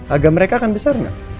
agar mereka akan besar nggak